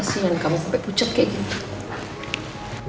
kasian kamu sampe pucet kayak gini